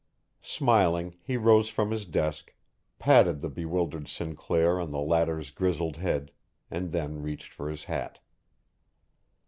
Smiling, he rose from his desk, patted the bewildered Sinclair on the latter's grizzled head, and then reached for his hat.